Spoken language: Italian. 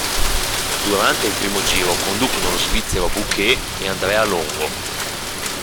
Durante il primo giro conducono lo svizzero Bucher e Andrea Longo.